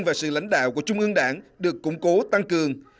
và sự lãnh đạo của trung ương đảng được củng cố tăng cường